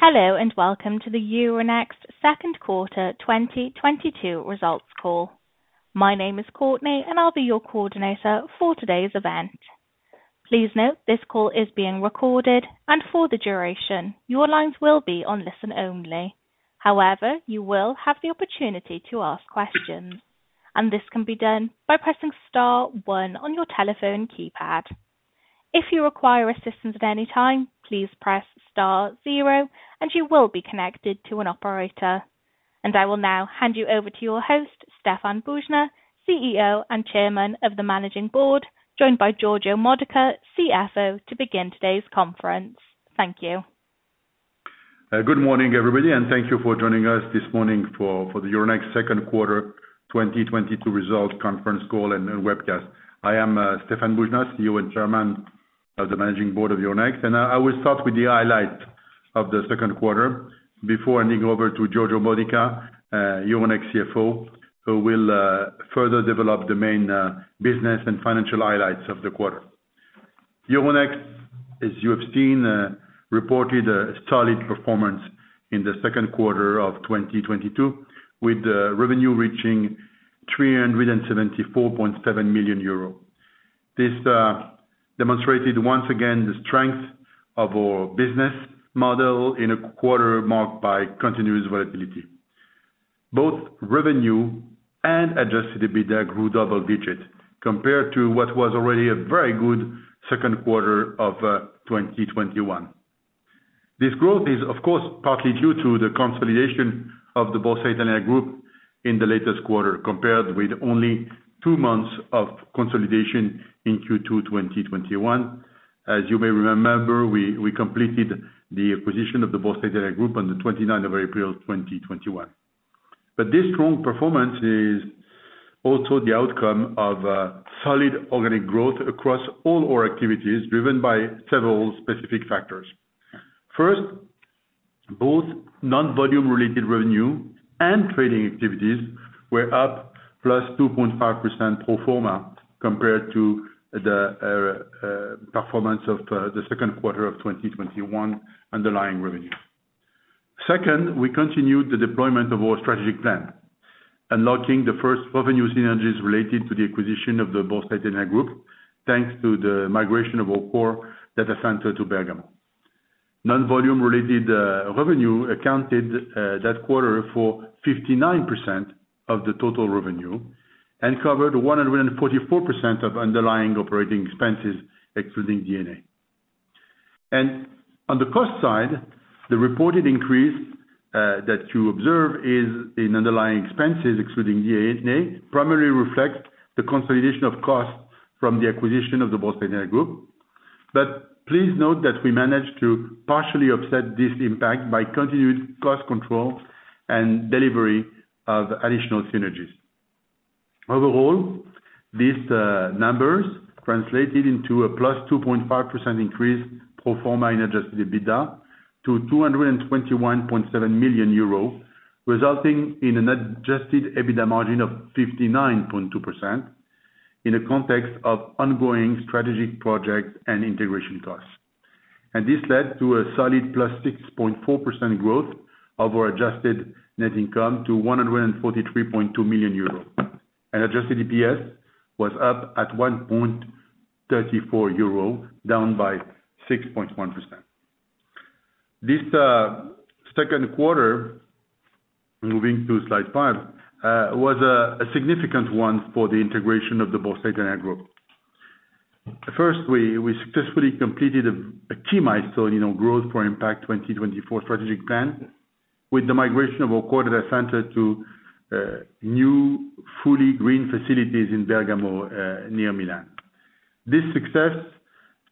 Hello, and welcome to the Euronext second quarter 2022 results call. My name is Courtney, and I'll be your coordinator for today's event. Please note this call is being recorded, and for the duration, your lines will be on listen only. However, you will have the opportunity to ask questions, and this can be done by pressing star one on your telephone keypad. If you require assistance at any time, please press star zero, and you will be connected to an operator. I will now hand you over to your host, Stéphane Boujnah, CEO and Chairman of the Managing Board, joined by Giorgio Modica, CFO, to begin today's conference. Thank you. Good morning, everybody, and thank you for joining us this morning for the Euronext second quarter 2022 results conference call and webcast. I am Stéphane Boujnah, CEO and Chairman of the Managing Board of Euronext. I will start with the highlight of the second quarter before handing over to Giorgio Modica, Euronext CFO, who will further develop the main business and financial highlights of the quarter. Euronext, as you have seen, reported a solid performance in the second quarter of 2022, with revenue reaching 374.7 million euro. This demonstrated, once again, the strength of our business model in a quarter marked by continuous volatility. Both revenue and adjusted EBITDA grew double digits compared to what was already a very good second quarter of 2021. This growth is, of course, partly due to the consolidation of the Borsa Italiana Group in the latest quarter, compared with only two months of consolidation in Q2 2021. As you may remember, we completed the acquisition of the Borsa Italiana Group on the 29th of April, 2021. This strong performance is also the outcome of solid organic growth across all our activities, driven by several specific factors. First, both non-volume related revenue and trading activities were up +2.5% pro forma compared to the performance of the second quarter of 2021 underlying revenue. Second, we continued the deployment of our strategic plan, unlocking the first revenue synergies related to the acquisition of the Borsa Italiana Group, thanks to the migration of our core data center to Bergamo. Non-volume related revenue accounted that quarter for 59% of the total revenue and covered 144% of underlying operating expenses, excluding D&A. On the cost side, the reported increase that you observe is in underlying expenses, excluding D&A, primarily reflects the consolidation of costs from the acquisition of the Borsa Italiana Group. Please note that we managed to partially offset this impact by continued cost control and delivery of additional synergies. Overall, these numbers translated into a +2.5% increase pro forma in adjusted EBITDA to 221.7 million euro, resulting in an adjusted EBITDA margin of 59.2% in the context of ongoing strategic projects and integration costs. This led to a solid +6.4% growth of our adjusted net income to 143.2 million euros. Adjusted EPS was up at 1.34 euro, down by 6.1%. This second quarter, moving to slide five, was a significant one for the integration of the Borsa Italiana Group. First, we successfully completed a key milestone in our Growth for Impact 2024 strategic plan with the migration of our core data center to new fully green facilities in Bergamo, near Milan. This success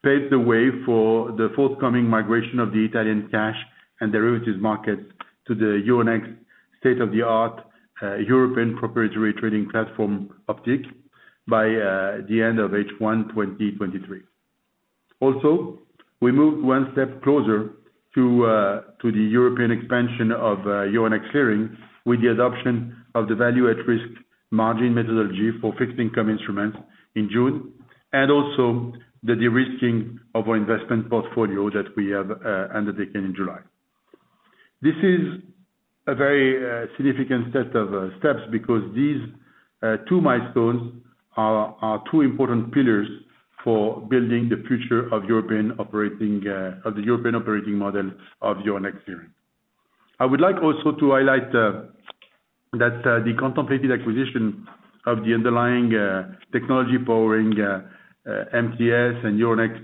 paved the way for the forthcoming migration of the Italian cash and derivatives markets to the Euronext state-of-the-art European proprietary trading platform, Optiq, by the end of H1 2023. Also, we moved one step closer to the European expansion of Euronext Clearing with the adoption of the Value at Risk margin methodology for fixed income instruments in June and also the de-risking of our investment portfolio that we have undertaken in July. This is a very significant set of steps because these two milestones are two important pillars for building the future of the European operating model of Euronext Clearing. I would like also to highlight that the contemplated acquisition of the underlying technology powering MTS and Euronext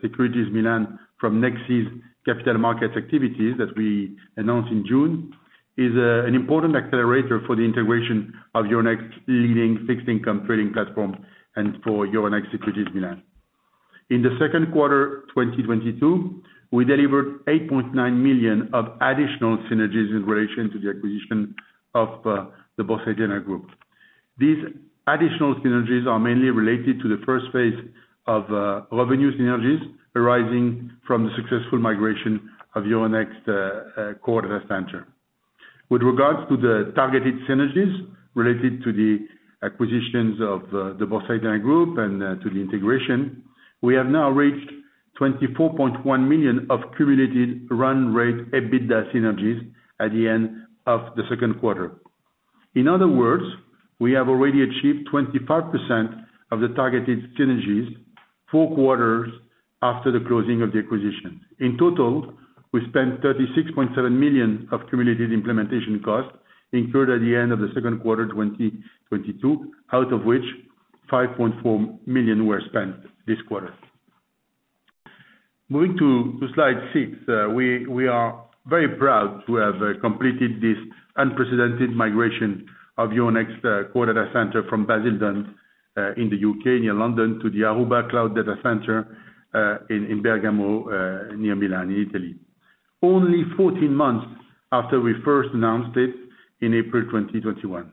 Securities Milan from Nexi's capital markets activities that we announced in June is an important accelerator for the integration of Euronext's leading fixed income trading platform and for Euronext Securities Milan. In the second quarter, 2022, we delivered 8.9 million of additional synergies in relation to the acquisition of the Borsa Italiana Group. These additional synergies are mainly related to the first phase of revenue synergies arising from the successful migration of Euronext's core data center. With regards to the targeted synergies related to the acquisitions of the Borsa Italiana Group and to the integration, we have now reached 24.1 million of cumulative run rate EBITDA synergies at the end of the second quarter. In other words, we have already achieved 25% of the targeted synergies four quarters after the closing of the acquisition. In total, we spent 36.7 million of cumulative implementation costs incurred at the end of the second quarter 2022, out of which 5.4 million were spent this quarter. Moving to slide six. We are very proud to have completed this unprecedented migration of Euronext's core data center from Basildon in the UK near London to the Aruba Global Cloud Data Center in Bergamo near Milan, Italy. Only 14 months after we first announced it in April 2021.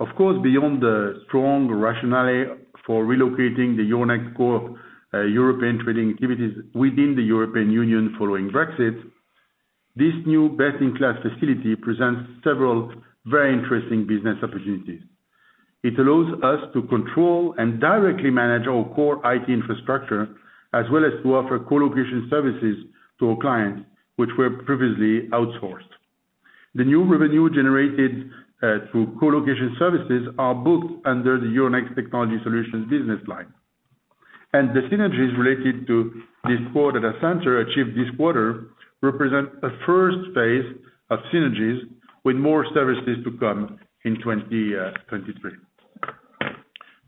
Of course, beyond the strong rationale for relocating the Euronext core European trading activities within the European Union following Brexit, this new best-in-class facility presents several very interesting business opportunities. It allows us to control and directly manage our core IT infrastructure, as well as to offer colocation services to our clients, which were previously outsourced. The new revenue generated through colocation services are booked under the Euronext Technology Solutions business line. The synergies related to this core data center achieved this quarter represent a first phase of synergies with more services to come in 2023.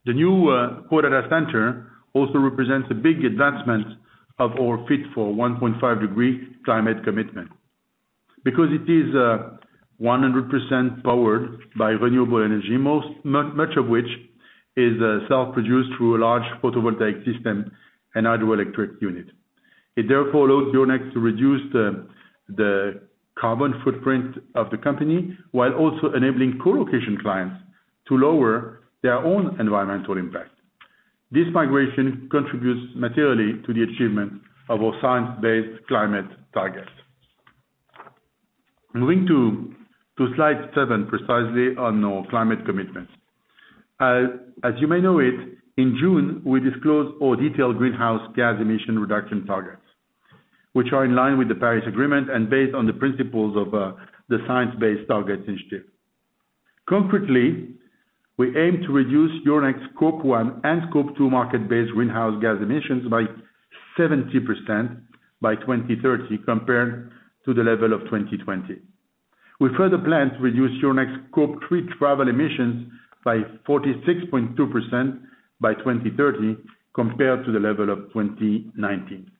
The new core data center also represents a big advancement of our Fit for 1.5° climate commitment. Because it is 100% powered by renewable energy, much of which is self-produced through a large photovoltaic system and hydroelectric unit. It therefore allows Euronext to reduce the carbon footprint of the company, while also enabling colocation clients to lower their own environmental impact. This migration contributes materially to the achievement of our science-based climate targets. Moving to slide seven, precisely on our climate commitments. As you may know it, in June, we disclosed our detailed greenhouse gas emission reduction targets, which are in line with the Paris Agreement and based on the principles of the Science Based Targets initiative. Concretely, we aim to reduce Euronext's Scope 1 and Scope 2 market-based greenhouse gas emissions by 70% by 2030, compared to the level of 2020. We further plan to reduce Euronext's Scope 3 travel emissions by 46.2% by 2030, compared to the level of 2019.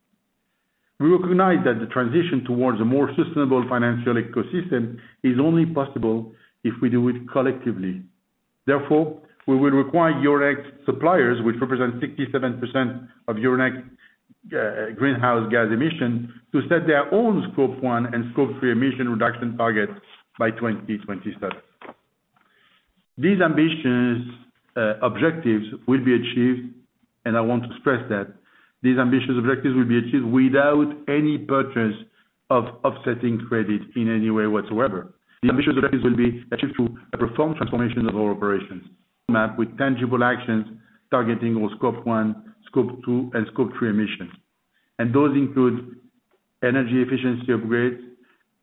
We recognize that the transition towards a more sustainable financial ecosystem is only possible if we do it collectively. Therefore, we will require Euronext's suppliers, which represent 67% of Euronext's greenhouse gas emissions, to set their own Scope 1 and Scope 3 emission reduction targets by 2027. These ambitions, objectives will be achieved, and I want to stress that, these ambitious objectives will be achieved without any purchase of offsetting credit in any way whatsoever. The ambitious objectives will be achieved through a profound transformation of our operations with tangible actions targeting our Scope 1, Scope 2, and Scope 3 emissions. Those include energy efficiency upgrades,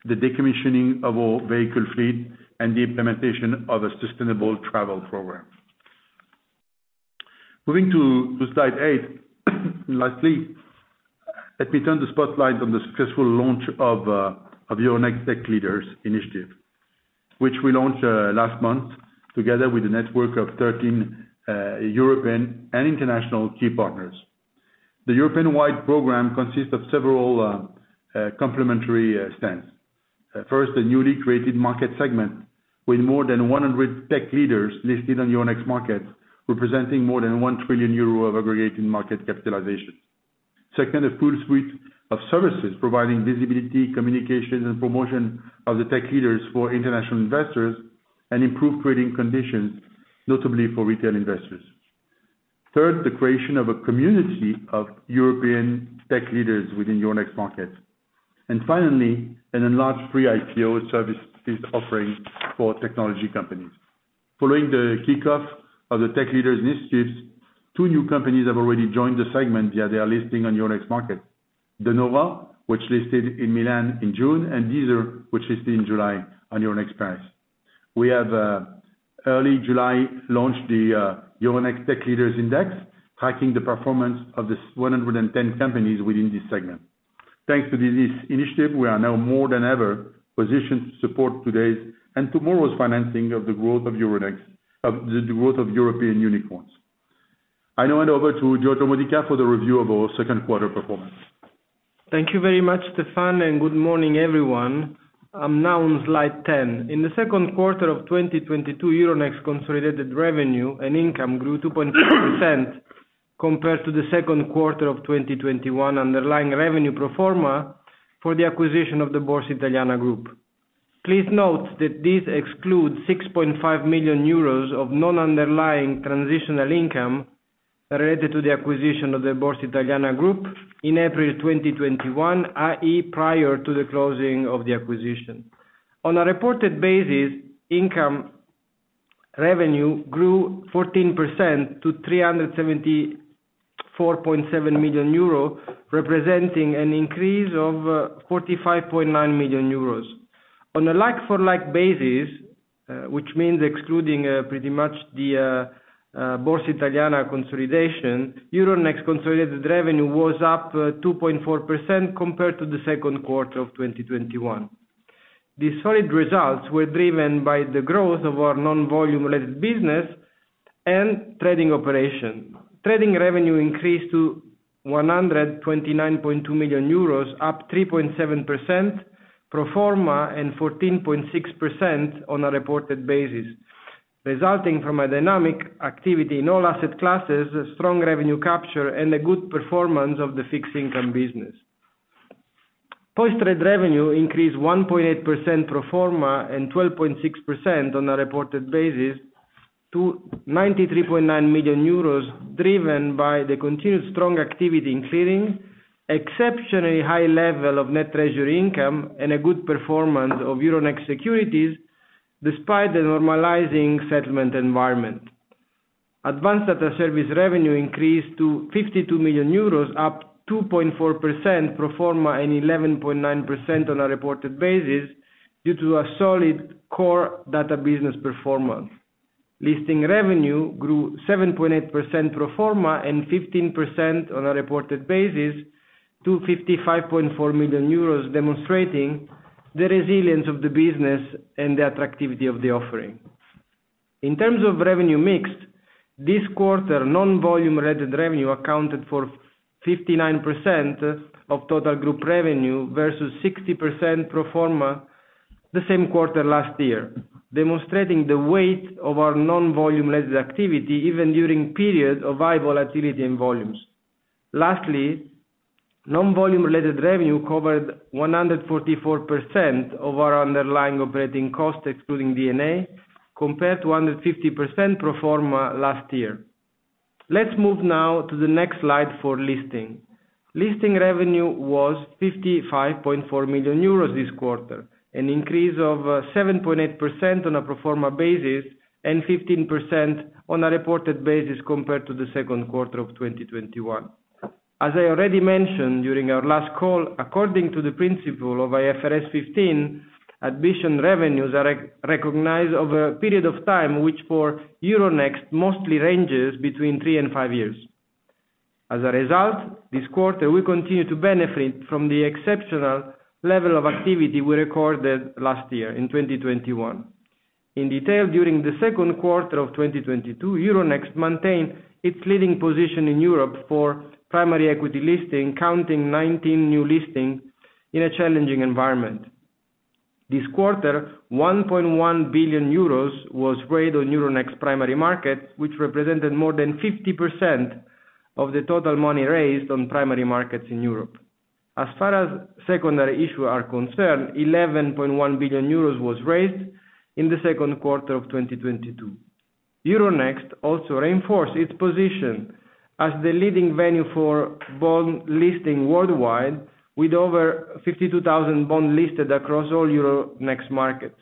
the decommissioning of our vehicle fleet, and the implementation of a sustainable travel program. Moving to slide eight and lastly, let me turn the spotlight on the successful launch of Euronext Tech Leaders initiative, which we launched last month together with a network of 13 European and international key partners. The European-wide program consists of several complementary strands. First, a newly created market segment with more than 100 tech leaders listed on Euronext markets, representing more than 1 trillion euro of aggregate market capitalization. Second, a full suite of services providing visibility, communication, and promotion of the tech leaders for international investors and improved trading conditions, notably for retail investors. Third, the creation of a community of European tech leaders within Euronext markets. Finally, an enlarged pre-IPO services offering for technology companies. Following the kickoff of the Tech Leaders initiatives, two new companies have already joined the segment via their listing on Euronext markets.De Nora, which listed in Milan in June, and Deezer, which listed in July on Euronext Paris. We have in early July launched the Euronext Tech Leaders index, tracking the performance of these 110 companies within this segment. Thanks to this initiative, we are now more than ever positioned to support today's and tomorrow's financing of the growth of Euronext, of the growth of European unicorns. I now hand over to Giorgio Modica for the review of our second quarter performance. Thank you very much, Stéphane, and good morning, everyone. I'm now on slide 10. In the second quarter of 2022, Euronext consolidated revenue and income grew 2.5% compared to the second quarter of 2021, underlying revenue pro forma for the acquisition of the Borsa Italiana Group. Please note that this excludes 6.5 million euros of non-underlying transitional income related to the acquisition of the Borsa Italiana Group in April 2021, i.e., prior to the closing of the acquisition. On a reported basis, income revenue grew 14% to 374.7 million euro, representing an increase of 45.9 million euros. On a like-for-like basis, which means excluding pretty much the Borsa Italiana consolidation, Euronext consolidated revenue was up 2.4% compared to the second quarter of 2021. The solid results were driven by the growth of our non-volume related business and trading operation. Trading revenue increased to 129.2 million euros, up 3.7% pro forma and 14.6% on a reported basis, resulting from a dynamic activity in all asset classes, a strong revenue capture, and a good performance of the fixed income business. Post-trade revenue increased 1.8% pro forma and 12.6% on a reported basis to 93.9 million euros, driven by the continued strong activity in clearing, exceptionally high level of net treasury income, and a good performance of Euronext Securities despite the normalizing settlement environment. Advanced data service revenue increased to 52 million euros, up 2.4% pro forma and 11.9% on a reported basis due to a solid core data business performance. Listing revenue grew 7.8% pro forma and 15% on a reported basis to 55.4 million euros, demonstrating the resilience of the business and the activity of the offering. In terms of revenue mix, this quarter non-volume related revenue accounted for 59% of total group revenue versus 60% pro forma the same quarter last year, demonstrating the weight of our non-volume related activity even during periods of high volatility and volumes. Lastly, non-volume related revenue covered 144% of our underlying operating costs, excluding D&A, compared to 150% pro forma last year. Let's move now to the next slide for listing. Listing revenue was 55.4 million euros this quarter, an increase of 7.8% on a pro forma basis and 15% on a reported basis compared to the second quarter of 2021. As I already mentioned during our last call, according to the principle of IFRS 15, admission revenues are recognized over a period of time, which for Euronext mostly ranges between three and five years. As a result, this quarter we continue to benefit from the exceptional level of activity we recorded last year in 2021. In detail, during the second quarter of 2022, Euronext maintained its leading position in Europe for primary equity listing, counting 19 new listings in a challenging environment. This quarter, 1.1 billion euros was raised on Euronext's primary market, which represented more than 50% of the total money raised on primary markets in Europe. As far as secondary issues are concerned, 11.1 billion euros was raised in the second quarter of 2022. Euronext also reinforced its position as the leading venue for bond listing worldwide, with over 52,000 bonds listed across all Euronext markets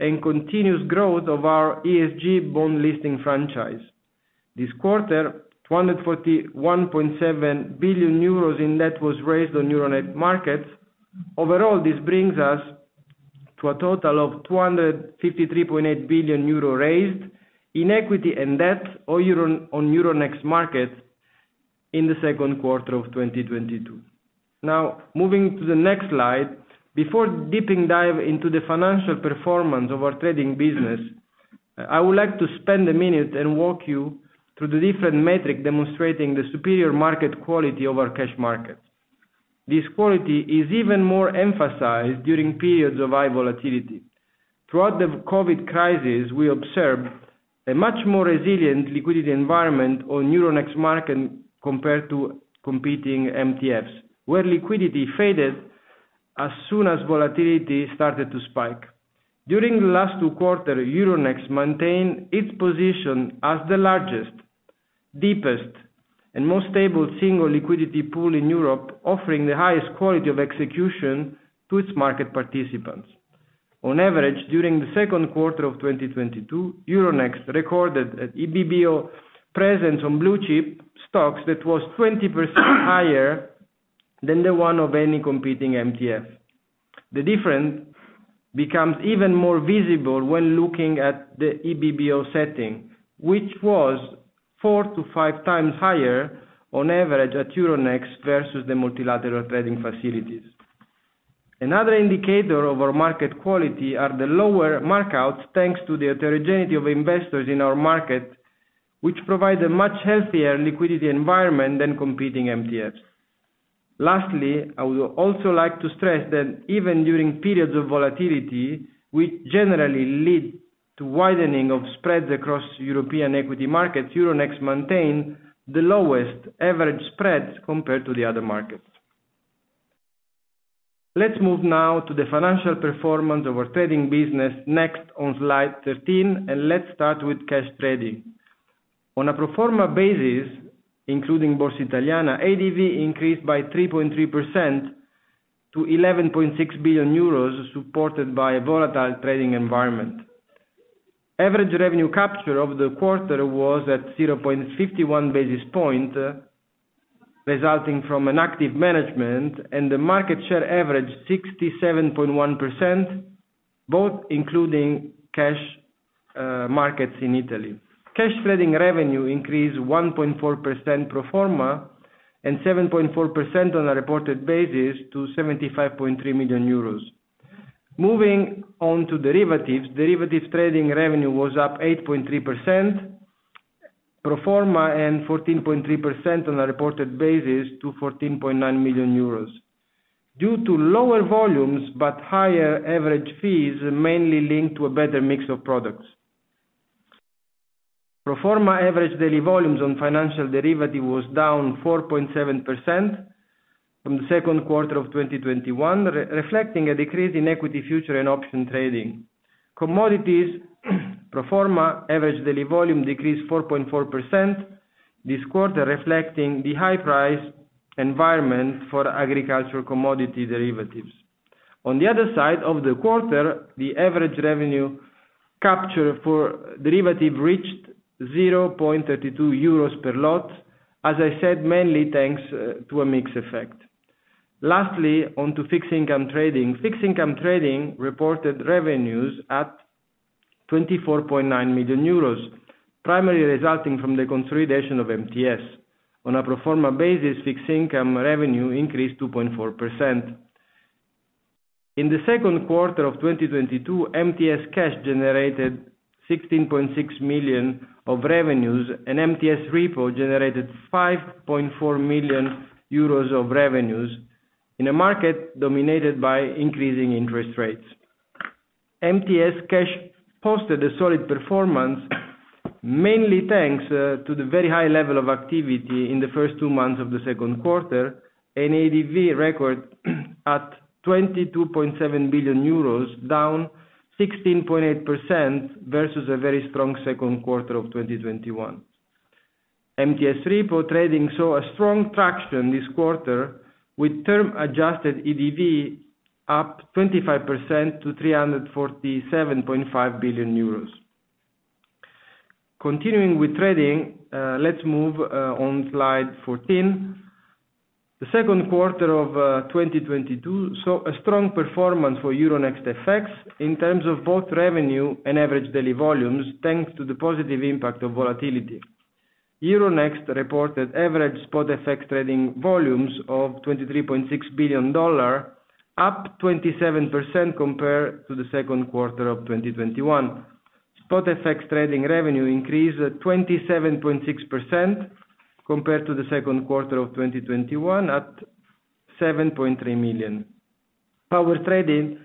and continuous growth of our ESG bond listing franchise. This quarter, 241.7 billion euros in net was raised on Euronext markets. Overall, this brings us to a total of 253.8 billion euros raised in equity, and that's on Euronext markets in the second quarter of 2022. Now moving to the next slide. Before diving deep into the financial performance of our trading business, I would like to spend a minute and walk you through the different metrics demonstrating the superior market quality of our cash markets. This quality is even more emphasized during periods of high volatility. Throughout the COVID crisis, we observed a much more resilient liquidity environment on Euronext markets compared to competing MTFs, where liquidity faded as soon as volatility started to spike. During the last two quarters, Euronext maintained its position as the largest, deepest, and most stable single liquidity pool in Europe, offering the highest quality of execution to its market participants. On average, during the second quarter of 2022, Euronext recorded an EBBO presence on blue chip stocks that was 20% higher than the one of any competing MTF. The difference becomes even more visible when looking at the EBBO setting, which was four-five times higher on average at Euronext versus the multilateral trading facilities. Another indicator of our market quality are the lower markouts, thanks to the heterogeneity of investors in our market, which provide a much healthier liquidity environment than competing MTFs. Lastly, I would also like to stress that even during periods of volatility, which generally lead to widening of spreads across European equity markets, Euronext maintain the lowest average spreads compared to the other markets. Let's move now to the financial performance of our trading business next on slide 13, and let's start with cash trading. On a pro forma basis, including Borsa Italiana, ADV increased by 3.3% to 11.6 billion euros, supported by a volatile trading environment. Average revenue capture of the quarter was at 0.51 basis points, resulting from an active management and the market share average 67.1% both including cash markets in Italy. Cash trading revenue increased 1.4% pro forma and 7.4% on a reported basis to 75.3 million euros. Moving on to derivatives. Derivatives trading revenue was up 8.3% pro forma and 14.3% on a reported basis to 14.9 million euros due to lower volumes, but higher average fees mainly linked to a better mix of products. Pro forma average daily volumes on financial derivatives was down 4.7% from the second quarter of 2021, reflecting a decrease in equity futures and options trading. Commodities, pro forma average daily volume decreased 4.4% this quarter, reflecting the high price environment for agricultural commodity derivatives. On the other side of the quarter, the average revenue capture for derivative reached 0.32 euros per lot, as I said, mainly thanks to a mix effect. Lastly, on to fixed income trading. Fixed income trading reported revenues at 24.9 million euros, primarily resulting from the consolidation of MTS. On a pro forma basis, fixed income revenue increased 2.4%. In the second quarter of 2022, MTS Cash generated 16.6 million of revenues, and MTS Repo generated 5.4 million euros of revenues in a market dominated by increasing interest rates. MTS Cash posted a solid performance mainly thanks to the very high level of activity in the first two months of the second quarter, an ADV record at 22.7 billion euros, down 16.8% versus a very strong second quarter of 2021. MTS Repo trading saw a strong traction this quarter, with term adjusted ADV up 25% to 347.5 billion euros. Continuing with trading, let's move on slide 14. The second quarter of 2022 saw a strong performance for Euronext FX in terms of both revenue and average daily volumes, thanks to the positive impact of volatility. Euronext reported average spot FX trading volumes of $23.6 billion, up 27% compared to the second quarter of 2021. Spot FX trading revenue increased 27.6% compared to the second quarter of 2021 at 7.3 million. Power trading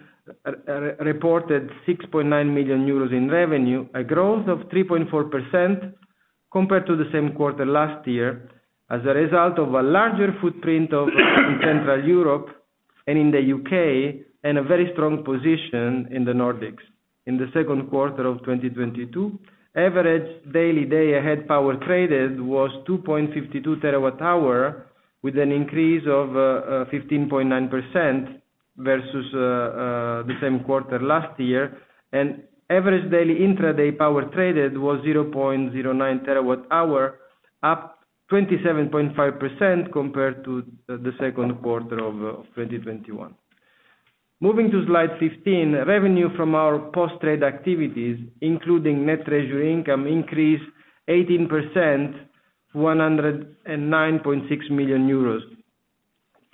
reported 6.9 million euros in revenue, a growth of 3.4% compared to the same quarter last year as a result of a larger footprint in Central Europe and in the UK, and a very strong position in the Nordics. In the second quarter of 2022, average daily day-ahead power traded was 2.52 TWh with an increase of 15.9% versus the same quarter last year, and average daily intraday power traded was 0.09 TWh, up 27.5% compared to the second quarter of 2021. Moving to slide 15, revenue from our post trade activities, including net treasury income, increased 18% to 109.6 million euros.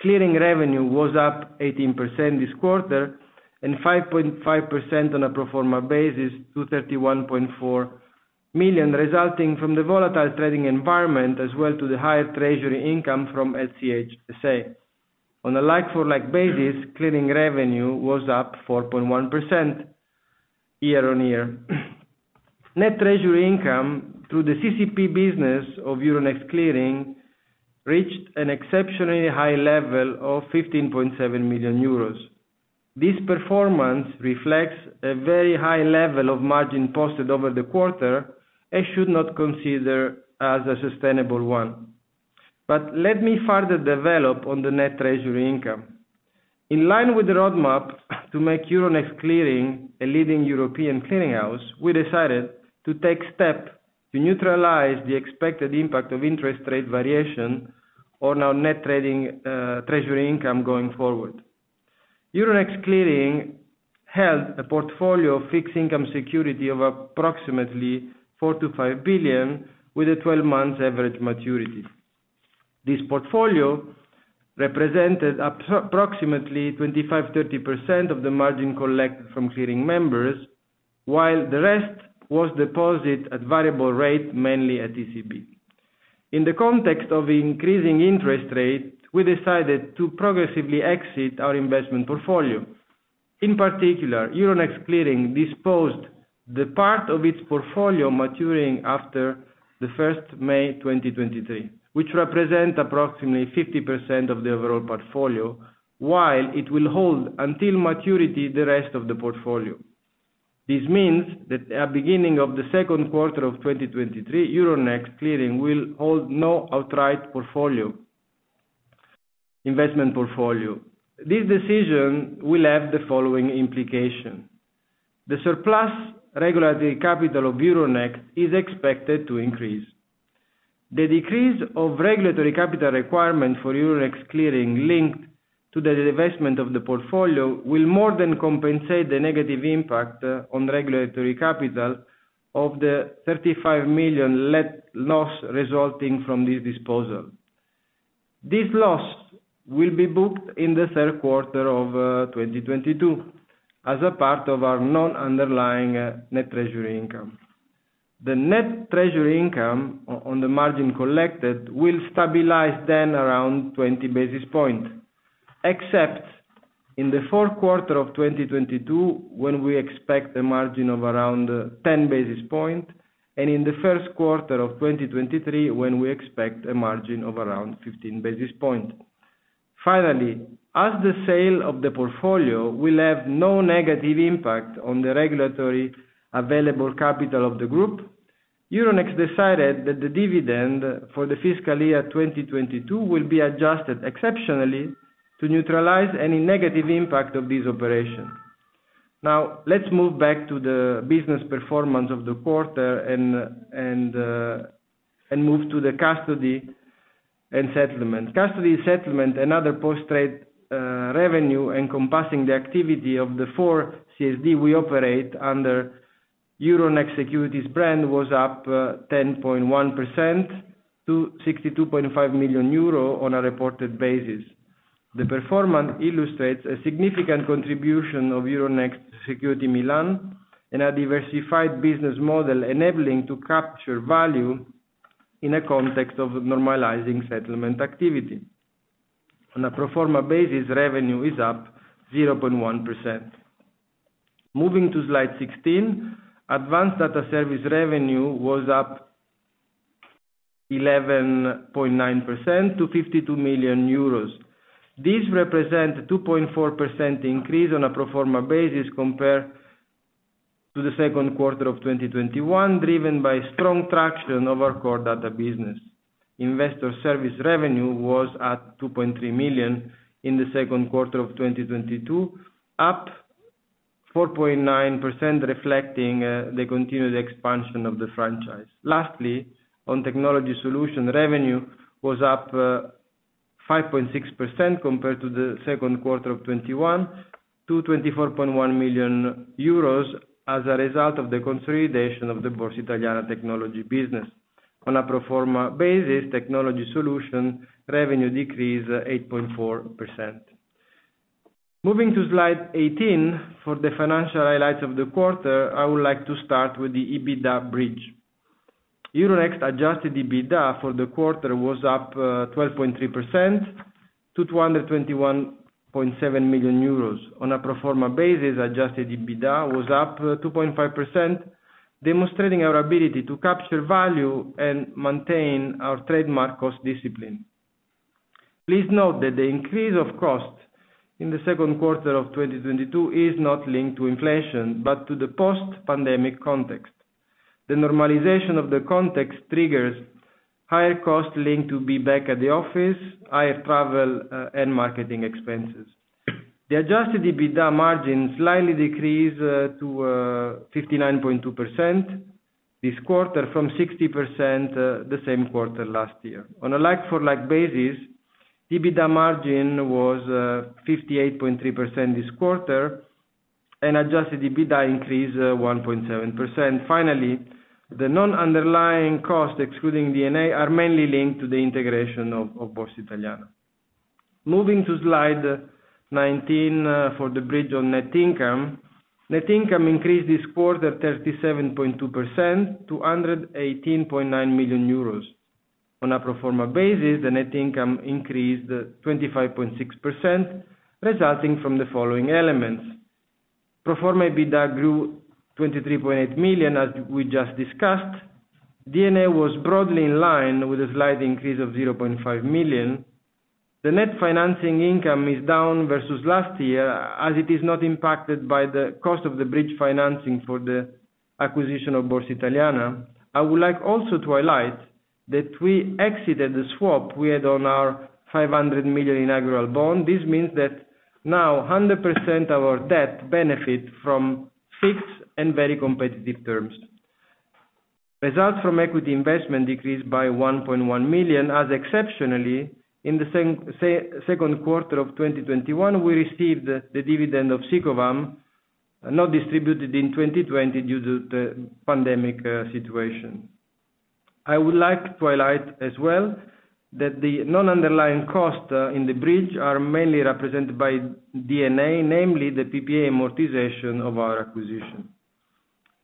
Clearing revenue was up 18% this quarter and 5.5% on a pro forma basis to 31.4 million, resulting from the volatile trading environment, as well as the higher treasury income from LCH SA. On a like for like basis, clearing revenue was up 4.1% year-on-year. Net treasury income through the CCP business of Euronext Clearing reached an exceptionally high level of 15.7 million euros. This performance reflects a very high level of margin posted over the quarter and should not consider as a sustainable one. Let me further develop on the net treasury income. In line with the roadmap to make Euronext Clearing a leading European clearing house, we decided to take steps to neutralize the expected impact of interest rate variation on our net trading treasury income going forward. Euronext Clearing held a portfolio of fixed income securities of approximately 4 billion-5 billion with a 12-month average maturity. This portfolio represented approximately 25%-30% of the margin collected from clearing members, while the rest was deposited at variable rate, mainly at ECB. In the context of increasing interest rates, we decided to progressively exit our investment portfolio. In particular, Euronext Clearing disposed of the part of its portfolio maturing after the 1st May 2023, which represents approximately 50% of the overall portfolio, while it will hold until maturity the rest of the portfolio. This means that at beginning of the second quarter of 2023, Euronext Clearing will hold no outright portfolio, investment portfolio. This decision will have the following implication. The surplus regulatory capital of Euronext is expected to increase. The decrease of regulatory capital requirement for Euronext Clearing linked to the divestment of the portfolio will more than compensate the negative impact on regulatory capital of the 35 million net loss resulting from this disposal. This loss will be booked in the third quarter of 2022 as a part of our non-underlying net treasury income. The net treasury income on the margin collected will stabilize then around 20 basis points, except in the fourth quarter of 2022, when we expect a margin of around 10 basis points, and in the first quarter of 2023, when we expect a margin of around 15 basis points. Finally, as the sale of the portfolio will have no negative impact on the regulatory available capital of the group, Euronext decided that the dividend for the fiscal year 2022 will be adjusted exceptionally to neutralize any negative impact of this operation. Now, let's move back to the business performance of the quarter and move to the custody and settlement. Custody and settlement and other post-trade revenue encompassing the activity of the four CSD we operate under Euronext Securities brand was up 10.1% to 62.5 million euro on a reported basis. The performance illustrates a significant contribution of Euronext Securities Milan and a diversified business model enabling to capture value in a context of normalizing settlement activity. On a pro forma basis, revenue is up 0.1%. Moving to slide 16, advanced data service revenue was up 11.9% to 52 million euros. This represents a 2.4% increase on a pro forma basis compared to the second quarter of 2021, driven by strong traction of our core data business. Investor service revenue was at 2.3 million in the second quarter of 2022, up 4.9%, reflecting, the continued expansion of the franchise. Lastly, on technology solutions, revenue was up, 5.6% compared to the second quarter of 2021 to 24.1 million euros as a result of the consolidation of the Borsa Italiana technology business. On a pro forma basis, technology solutions revenue decreased 8.4%. Moving to slide 18, for the financial highlights of the quarter, I would like to start with the EBITDA bridge. Euronext adjusted EBITDA for the quarter was up 12.3% to 221.7 million euros. On a pro forma basis, adjusted EBITDA was up 2.5%, demonstrating our ability to capture value and maintain our trademark cost discipline. Please note that the increase of cost in the second quarter of 2022 is not linked to inflation, but to the post-pandemic context. The normalization of the context triggers higher cost linked to be back at the office, higher travel, and marketing expenses. The adjusted EBITDA margin slightly decreased to 59.2% this quarter from 60% the same quarter last year. On a like-for-like basis, EBITDA margin was 58.3% this quarter, and adjusted EBITDA increased 1.7%. Finally, the non-underlying cost excluding D&A are mainly linked to the integration of Borsa Italiana. Moving to slide 19, for the bridge on net income. Net income increased this quarter 37.2% to 118.9 million euros. On a pro forma basis, the net income increased 25.6%, resulting from the following elements. Pro forma EBITDA grew 23.8 million, as we just discussed. D&A was broadly in line with a slight increase of 0.5 million. The net financing income is down versus last year, as it is not impacted by the cost of the bridge financing for the acquisition of Borsa Italiana. I would like also to highlight that we exited the swap we had on our 500 million inaugural bond. This means that now 100% of our debt benefit from fixed and very competitive terms. Results from equity investment decreased by 1.1 million, as exceptionally, in the same second quarter of 2021, we received the dividend of SICOVAM, not distributed in 2020 due to the pandemic situation. I would like to highlight as well that the non-underlying cost in the bridge are mainly represented by D&A, namely the PPA amortization of our acquisition.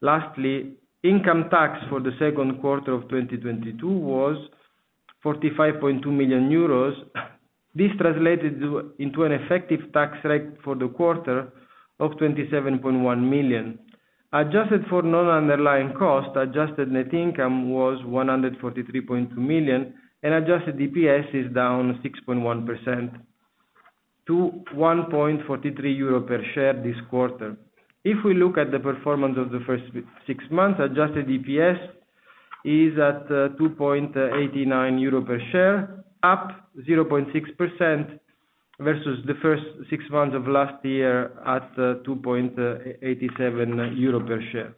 Lastly, income tax for the second quarter of 2022 was 45.2 million euros. This translated into an effective tax rate for the quarter of 27.1%. Adjusted for non-underlying costs, adjusted net income was 143.2 million, and adjusted DPS is down 6.1% to 1.43 euro per share this quarter. If we look at the performance of the first six months, adjusted DPS is at 2.89 euro per share, up 0.6% versus the first six months of last year at 2.87 euro per share.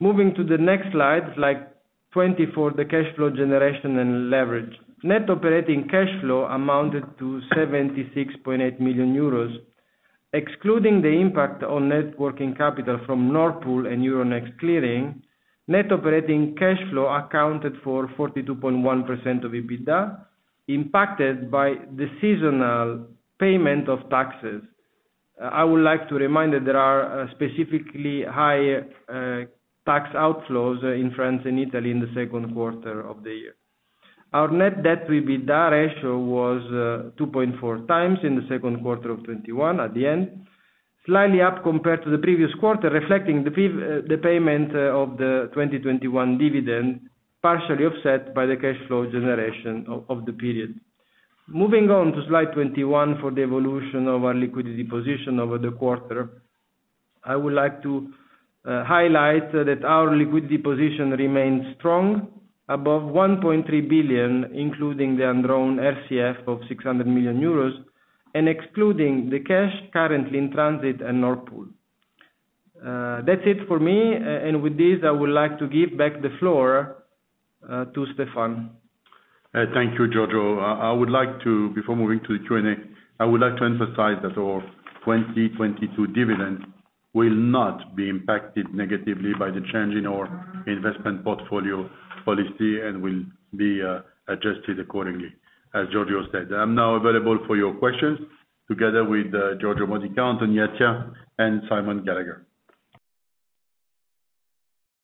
Moving to the next slide, slide 20, for the cash flow generation and leverage. Net operating cash flow amounted to 76.8 million euros. Excluding the impact on net working capital from Nord Pool and Euronext Clearing, net operating cash flow accounted for 42.1% of EBITDA, impacted by the seasonal payment of taxes. I would like to remind that there are specifically high tax outflows in France and Italy in the second quarter of the year. Our net debt to EBITDA ratio was 2.4x in the second quarter of 2021 at the end, slightly up compared to the previous quarter, reflecting the payment of the 2021 dividend, partially offset by the cash flow generation of the period. Moving on to slide 21 for the evolution of our liquidity position over the quarter. I would like to highlight that our liquidity position remains strong, above 1.3 billion, including the undrawn FCF of 600 million euros and excluding the cash currently in transit and Nord Pool. That's it for me. With this, I would like to give back the floor to Stéphane. Thank you, Giorgio. Before moving to the Q&A, I would like to emphasize that our 2022 dividend will not be impacted negatively by the change in our investment portfolio policy and will be adjusted accordingly, as Giorgio said. I'm now available for your questions together with Giorgio Modica, Anthony Attia, and Simon Gallagher.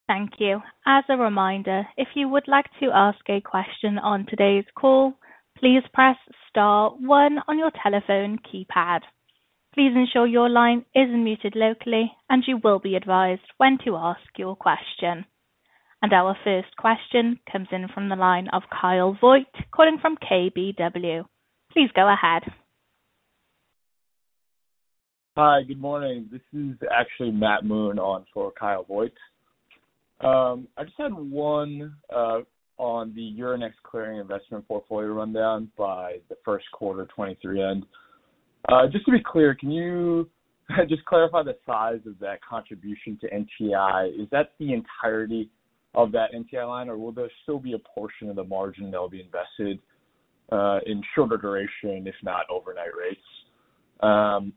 Thank you. As a reminder, if you would like to ask a question on today's call, please press star one on your telephone keypad. Please ensure your line is muted locally, and you will be advised when to ask your question. Our first question comes in from the line of Kyle Voigt, calling from KBW. Please go ahead. Hi, good morning. This is actually Matt Moon on for Kyle Voigt. I just had one on the Euronext Clearing investment portfolio rundown by the first quarter 2023 end. Just to be clear, can you just clarify the size of that contribution to NTI? Is that the entirety of that NTI line, or will there still be a portion of the margin that will be invested in shorter duration, if not overnight rates?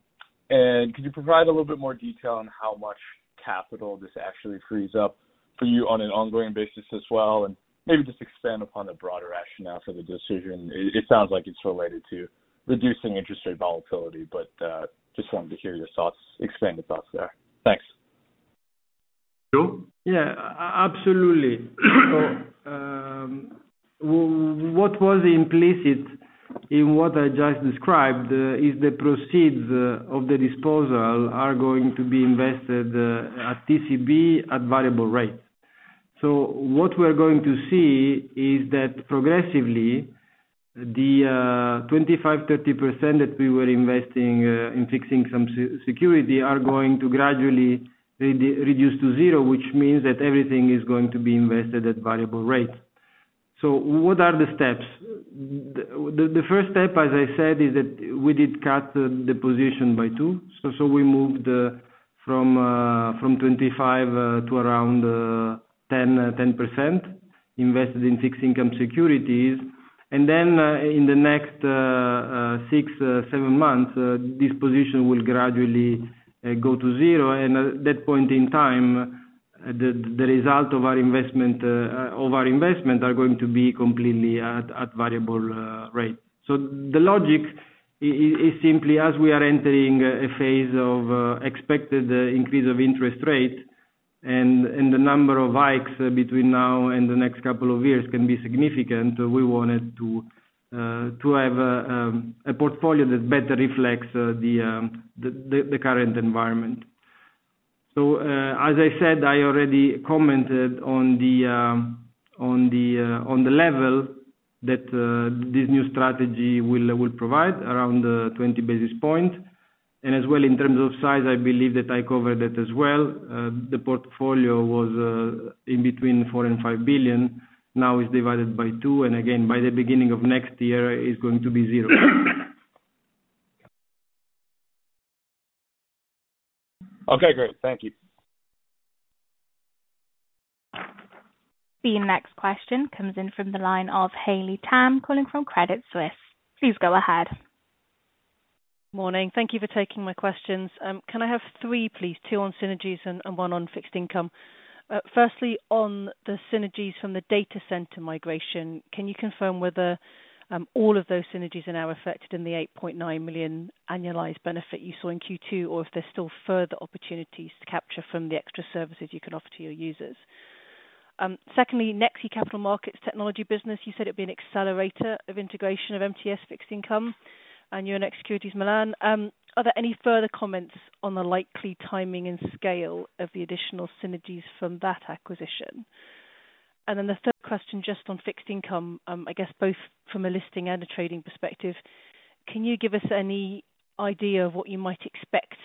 Could you provide a little bit more detail on how much capital this actually frees up for you on an ongoing basis as well? Maybe just expand upon the broader rationale for the decision. It sounds like it's related to reducing interest rate volatility, but just wanted to hear your thoughts, expanded thoughts there. Thanks. Giorgio? Yeah. Absolutely. What was implicit in what I just described is the proceeds of the disposal are going to be invested at ECB at variable rates. What we're going to see is that progressively, the 25%-30% that we were investing in fixed income securities are going to gradually reduce to zero, which means that everything is going to be invested at variable rates. What are the steps? The first step, as I said, is that we did cut the position by two. We moved from 25% to around 10% invested in fixed income securities. Then, in the next six-seven months, this position will gradually go to zero. At that point in time, the result of our investment are going to be completely at variable rate. The logic is simply as we are entering a phase of expected increase of interest rate and the number of hikes between now and the next couple of years can be significant, we wanted to have a portfolio that better reflects the current environment. As I said, I already commented on the level that this new strategy will provide around 20 basis points. As well in terms of size, I believe that I covered that as well. The portfolio was between 4 billion and 5 billion, now is divided by two. Again, by the beginning of next year is going to be zero. Okay, great. Thank you. The next question comes in from the line of Haley Tam, calling from Credit Suisse. Please go ahead. Morning. Thank you for taking my questions. Can I have three, please? Two on synergies and one on fixed income. Firstly, on the synergies from the data center migration, can you confirm whether all of those synergies are now reflected in the 8.9 million annualized benefit you saw in Q2, or if there's still further opportunities to capture from the extra services you can offer to your users? Secondly, Nexi Capital Markets Technology business, you said it'd be an accelerator of integration of MTS Fixed Income and Euronext Securities Milan. Are there any further comments on the likely timing and scale of the additional synergies from that acquisition? The third question, just on fixed income, I guess both from a listing and a trading perspective, can you give us any idea of what you might expect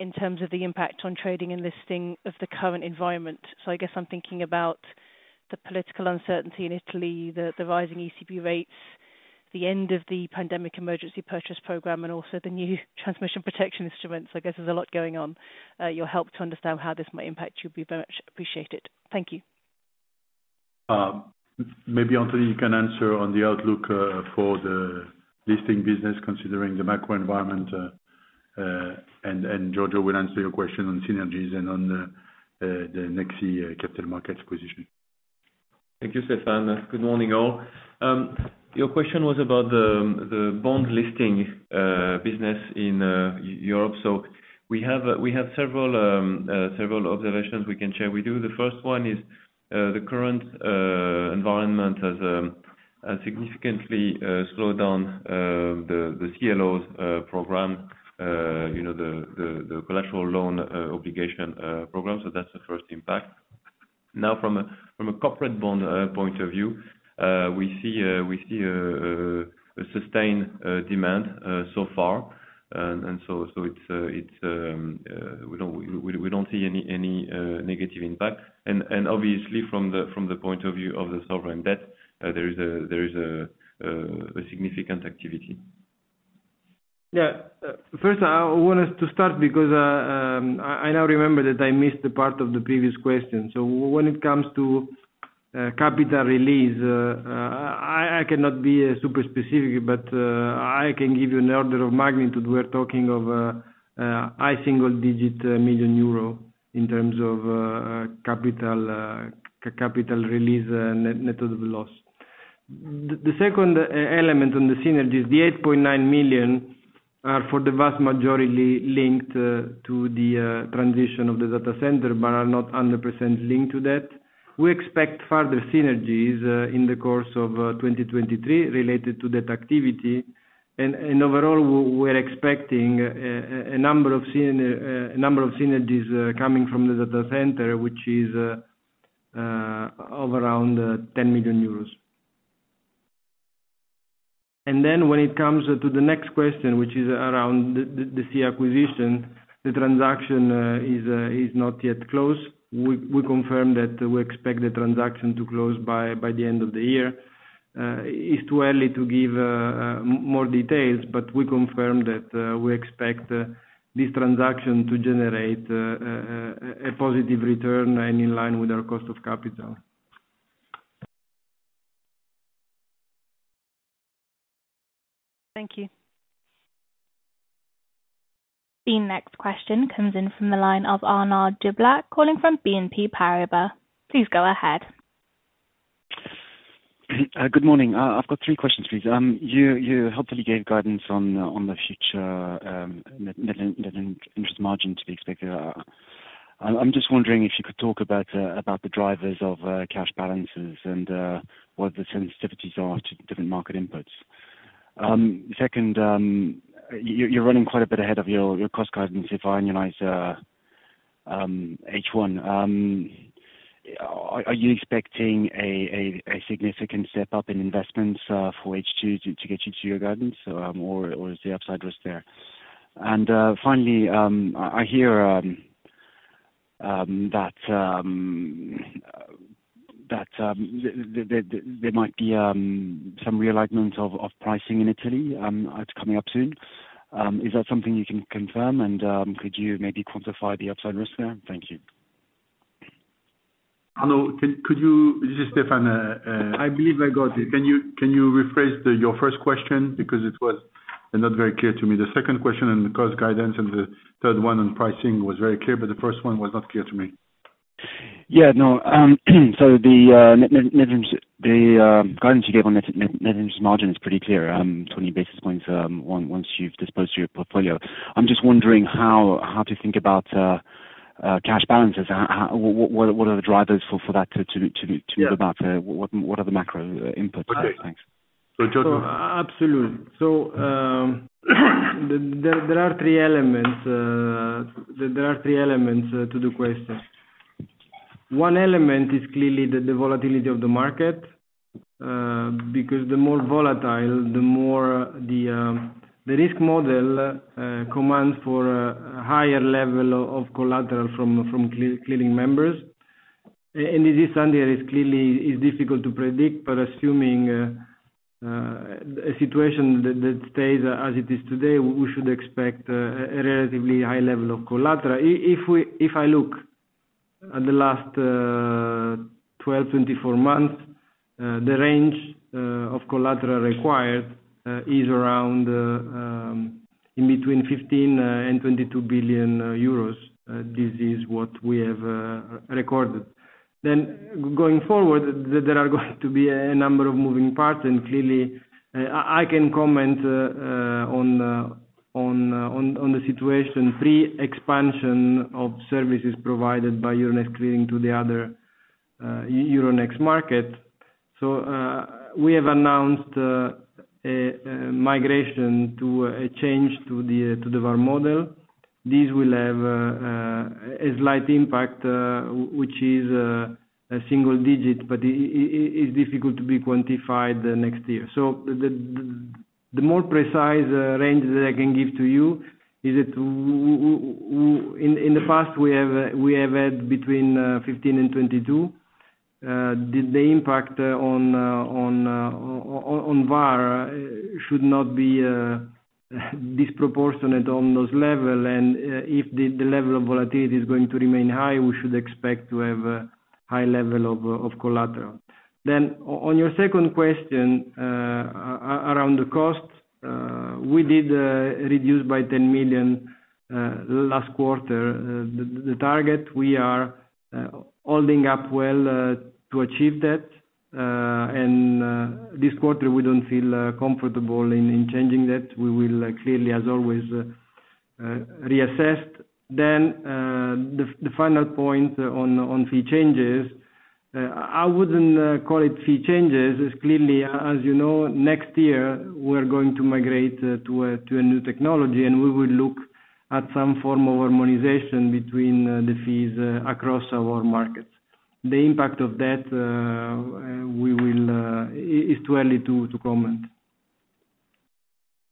in terms of the impact on trading and listing of the current environment? I guess I'm thinking about the political uncertainty in Italy, the rising ECB rates, the end of the Pandemic Emergency Purchase Programme, and also the new transmission protection instruments. I guess there's a lot going on. Your help to understand how this might impact should be very much appreciated. Thank you. Maybe, Anthony, you can answer on the outlook for the listing business considering the macro environment, and Giorgio will answer your question on synergies and on the Nexi capital markets position. Thank you, Stéphane. Good morning, all. Your question was about the bond listing business in Europe. So we have several observations we can share. We do. The first one is the current environment has significantly slowed down the CLOs program, you know, the collateralized loan obligation program. So that's the first impact. Now from a corporate bond point of view, we see a sustained demand so far. So it's we don't see any negative impact. And obviously from the point of view of the sovereign debt, there is a significant activity. Yeah. First I want us to start because I now remember that I missed the part of the previous question. When it comes to capital release, I cannot be super specific, but I can give you an order of magnitude. We're talking of high single-digit million euro in terms of capital release, net of loss. The second element on the synergies, the 8.9 million are for the vast majority linked to the transition of the data center, but are not 100% linked to that. We expect further synergies in the course of 2023 related to that activity. Overall, we're expecting a number of synergies coming from the data center, which is of around 10 million euros. When it comes to the next question, which is around the SIA acquisition, the transaction is not yet closed. We confirm that we expect the transaction to close by the end of the year. It's too early to give more details, but we confirm that we expect this transaction to generate a positive return and in line with our cost of capital. Thank you. The next question comes in from the line of Arnaud Giblat, calling from BNP Paribas. Please go ahead. Good morning. I've got three questions, please. You helpfully gave guidance on the future net interest margin to be expected. I'm just wondering if you could talk about the drivers of cash balances and what the sensitivities are to different market inputs. Second, you're running quite a bit ahead of your cost guidance, if I annualize H1. Are you expecting a significant step up in investments for H2 to get you to your guidance, or is the upside risk there? Finally, I hear that there might be some realignment of pricing in Italy coming up soon. Is that something you can confirm? Could you maybe quantify the upside risk there? Thank you. Arnaud, could you? This is Stéphane. I believe I got it. Can you rephrase your first question because it was not very clear to me. The second question on the cost guidance and the third one on pricing was very clear, but the first one was not clear to me. Yeah. No. The net interest, the guidance you gave on net interest margin is pretty clear, 20 basis points, once you've disposed your portfolio. I'm just wondering how to think about cash balances. How, what are the drivers for that to move up? What are the macro inputs? Yeah. Okay. Thanks. Giorgio? Absolutely. There are three elements to the question. One element is clearly the volatility of the market, because the more volatile, the more the risk model commands for a higher level of collateral from clearing members. It is something that is clearly difficult to predict, but assuming a situation that stays as it is today, we should expect a relatively high level of collateral. If I look at the last 12 months-24 months, the range of collateral required is around in between 15 billion and 22 billion euros. This is what we have recorded. Going forward, there are going to be a number of moving parts, and clearly, I can comment on the situation pre-expansion of services provided by Euronext Clearing to the other Euronext market. We have announced a migration to a change to the VaR model. This will have a slight impact, which is a single digit, but it's difficult to be quantified the next year. The more precise range that I can give to you is that in the past we have had between 15% and 22%. The impact on VaR should not be disproportionate on those level. If the level of volatility is going to remain high, we should expect to have a high level of collateral. On your second question, around the cost, we did reduce by 10 million last quarter. The target we are holding up well to achieve that. This quarter, we don't feel comfortable in changing that. We will clearly, as always, reassess. The final point on fee changes, I wouldn't call it fee changes. Clearly, as you know, next year we're going to migrate to a new technology, and we will look at some form of harmonization between the fees across our markets. The impact of that, we will. It's too early to comment.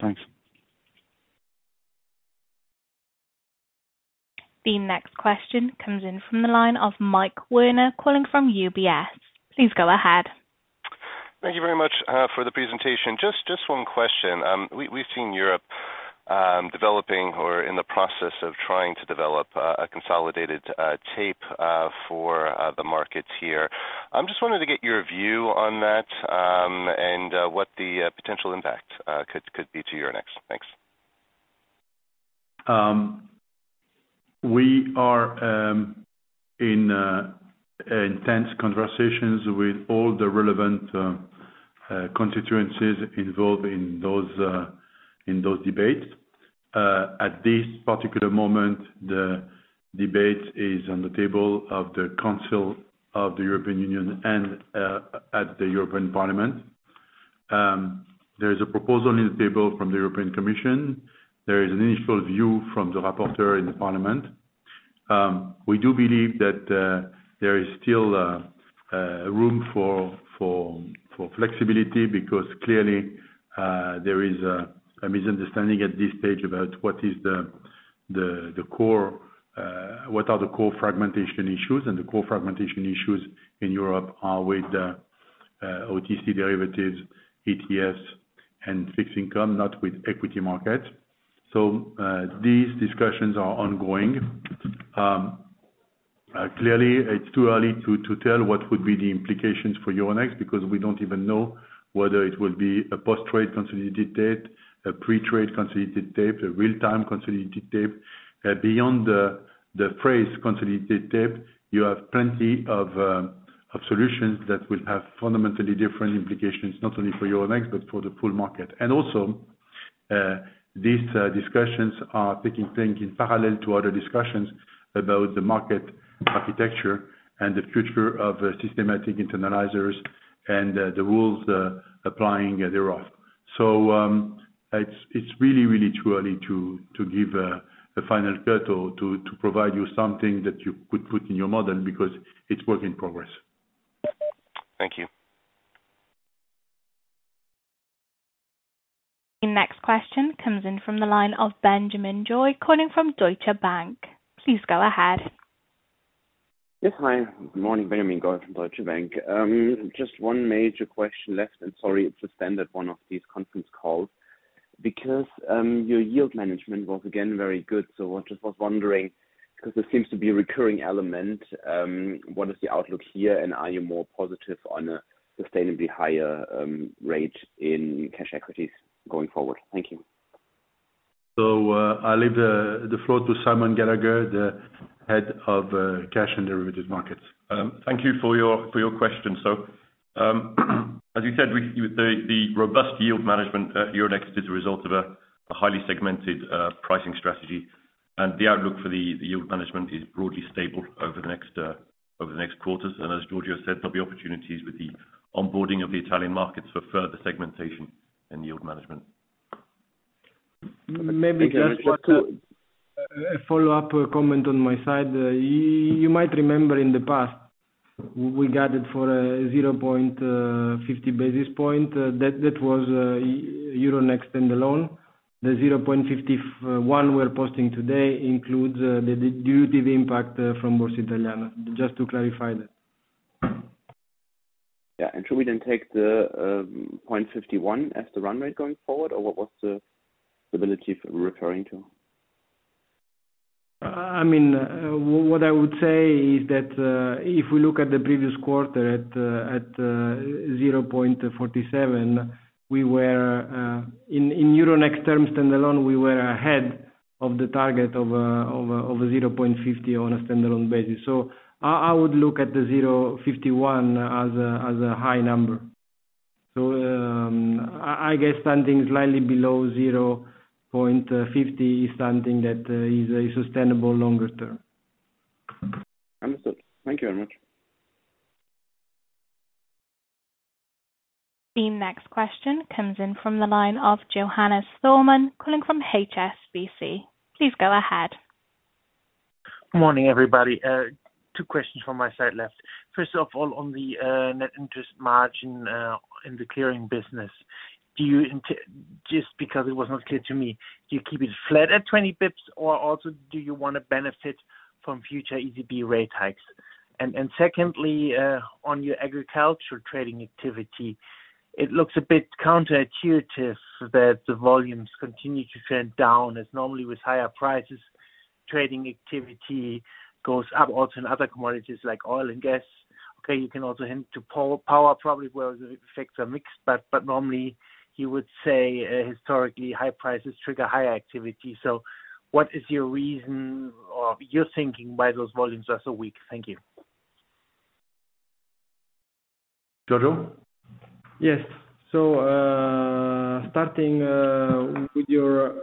Thanks. The next question comes in from the line of Mike Werner calling from UBS. Please go ahead. Thank you very much for the presentation. Just one question. We've seen Europe developing or in the process of trying to develop a consolidated tape for the markets here. I'm just wanting to get your view on that, and what the potential impact could be to Euronext. Thanks. We are in intense conversations with all the relevant constituencies involved in those debates. At this particular moment, the debate is on the table of the Council of the European Union and at the European Parliament. There is a proposal on the table from the European Commission. There is an initial view from the rapporteur in the Parliament. We do believe that there is still room for flexibility because clearly there is a misunderstanding at this stage about what are the core fragmentation issues. The core fragmentation issues in Europe are with the OTC derivatives, ETFs, and fixed income, not with equity markets. These discussions are ongoing. Clearly it's too early to tell what would be the implications for Euronext because we don't even know whether it will be a post-trade consolidated tape, a pre-trade consolidated tape, a real-time consolidated tape. Beyond the phrase consolidated tape, you have plenty of solutions that will have fundamentally different implications, not only for Euronext, but for the full market. These discussions are taking place in parallel to other discussions about the market architecture and the future of systematic internalizers and the rules applying thereof. It's really too early to give a final cut or to provide you something that you could put in your model because it's work in progress. Thank you. The next question comes in from the line of Benjamin Goy, calling from Deutsche Bank. Please go ahead. Yes. Hi. Good morning. Benjamin Goy from Deutsche Bank. Just one major question left, and sorry, it's a standard one of these conference calls. Because your yield management was again very good, so I just was wondering, 'cause this seems to be a recurring element, what is the outlook here, and are you more positive on a sustainably higher rate in cash equities going forward? Thank you. I'll leave the floor to Simon Gallagher, Head of Cash and Derivatives Markets. Thank you for your question. As you said, the robust yield management at Euronext is a result of a highly segmented pricing strategy. The outlook for the yield management is broadly stable over the next quarters. As Giorgio said, there'll be opportunities with the onboarding of the Italian markets for further segmentation and yield management. Maybe just one. A follow-up comment on my side. You might remember in the past we guided for 0.50 basis point. That was Euronext standalone. The 0.51 basis points we're posting today includes the full impact from Borsa Italiana, just to clarify that. Should we then take the 0.51 basis points as the run rate going forward? Or what was the stability referring to? I mean, what I would say is that, if we look at the previous quarter at 0.47 basis points, we were in Euronext terms standalone, we were ahead of the target of a 0.50 basis points on a standalone basis. I would look at the 0.51 basis points as a high number. I guess something slightly below 0.50 basis points something that is a sustainable longer term. Understood. Thank you very much. The next question comes in from the line of Johannes Thormann, calling from HSBC. Please go ahead. Morning, everybody. Two questions from my side left. First of all, on the net interest margin in the clearing business. Do you just because it was not clear to me, do you keep it flat at 20 basis points, or also do you want to benefit from future ECB rate hikes? And secondly, on your agricultural trading activity, it looks a bit counterintuitive that the volumes continue to trend down as normally with higher prices, trading activity goes up also in other commodities like oil and gas. Okay, you can also hint to power probably where the effects are mixed, but normally you would say, historically high prices trigger higher activity. What is your reason or your thinking why those volumes are so weak? Thank you. Giorgio? Yes. Starting with your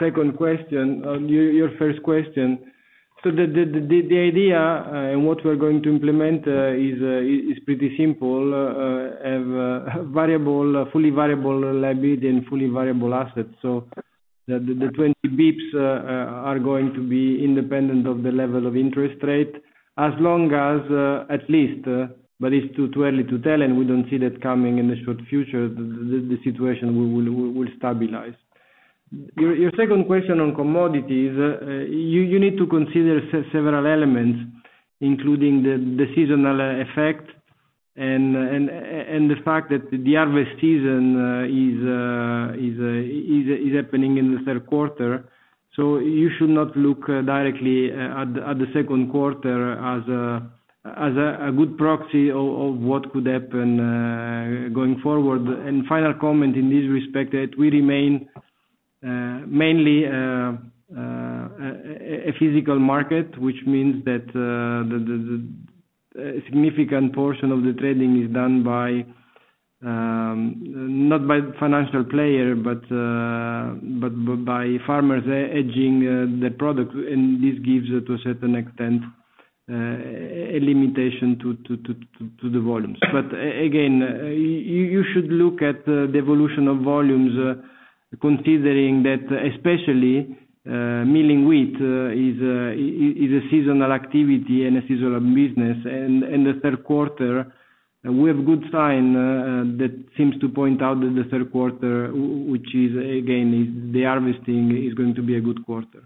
second question, your first question. The idea and what we're going to implement is pretty simple. Have variable, fully variable liability and fully variable assets. The 20 basis points are going to be independent of the level of interest rate, but it's too early to tell, and we don't see that coming in the short future, the situation will stabilize. Your second question on commodities, you need to consider several elements, including the seasonal effect and the fact that the harvest season is happening in the third quarter. You should not look directly at the second quarter as a good proxy of what could happen going forward. Final comment in this respect that we remain mainly a physical market, which means that the significant portion of the trading is done by not by financial players, but by farmers hedging the product. This gives to a certain extent a limitation to the volumes. Again, you should look at the evolution of volumes, considering that especially milling wheat is a seasonal activity and a seasonal business. The third quarter, we have good sign that seems to point out that the third quarter, which is again the harvesting, is going to be a good quarter.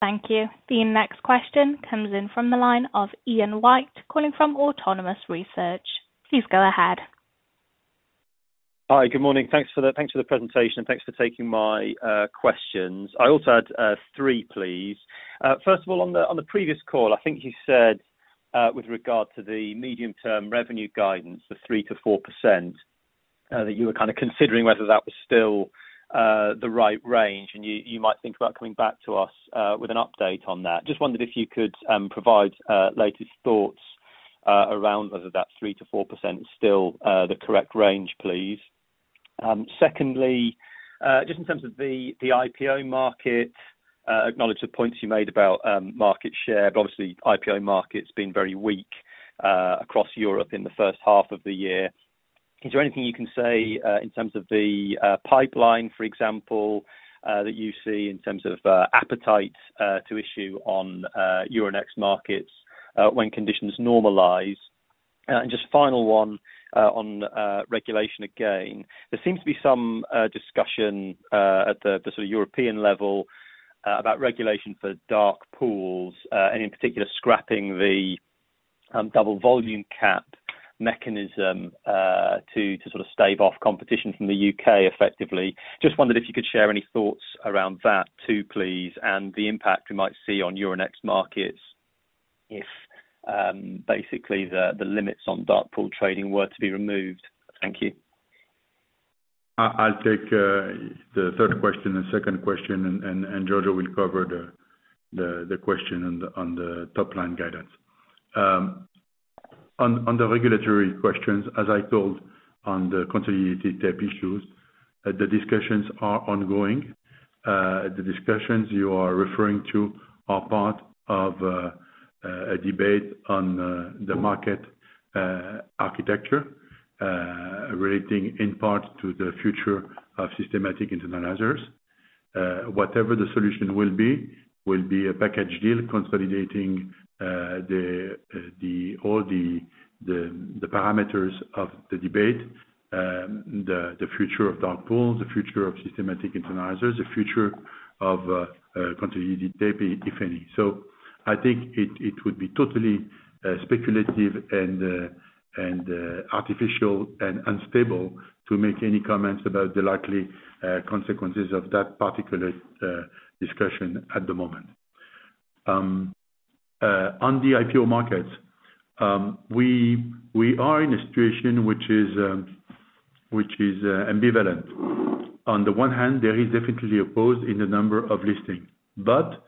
Thank you. The next question comes in from the line of Ian White, calling from Autonomous Research. Please go ahead. Hi, good morning. Thanks for the presentation. Thanks for taking my questions. I also had three, please. First of all, on the previous call, I think you said with regard to the medium-term revenue guidance, the 3%-4% that you were kinda considering whether that was still the right range, and you might think about coming back to us with an update on that. Just wondered if you could provide latest thoughts around whether that's 3%-4% still the correct range, please. Secondly, just in terms of the IPO market, acknowledge the points you made about market share, but obviously IPO market's been very weak across Europe in the first half of the year. Is there anything you can say in terms of the pipeline, for example, that you see in terms of appetite to issue on Euronext markets when conditions normalize? Just final one on regulation again. There seems to be some discussion at the sort of European level about regulation for dark pools and in particular scrapping the double volume cap mechanism to sort of stave off competition from the U.K. effectively. Just wondered if you could share any thoughts around that too, please, and the impact we might see on Euronext markets if basically the limits on dark pool trading were to be removed. Thank you. I'll take the third question and second question, and Giorgio will cover the question on the top line guidance. On the regulatory questions, as I told on the consolidated tape issues, the discussions are ongoing. The discussions you are referring to are part of a debate on the market architecture, relating in part to the future of systematic internalizers. Whatever the solution will be, will be a package deal consolidating all the parameters of the debate. The future of dark pools, the future of systematic internalizers, the future of consolidated tape, if any. I think it would be totally speculative and artificial and unstable to make any comments about the likely consequences of that particular discussion at the moment. On the IPO markets, we are in a situation which is ambivalent. On the one hand, there is definitely a pause in the number of listing, but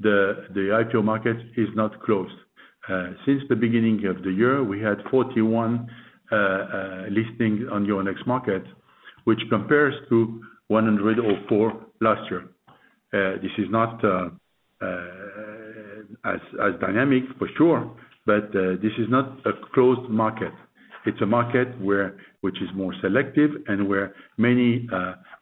the IPO market is not closed. Since the beginning of the year, we had 41 listings on Euronext market, which compares to 104 last year. This is not as dynamic for sure, but this is not a closed market. It's a market which is more selective and where many